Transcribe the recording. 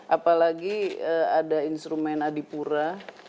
apalagi ada instrumen adipura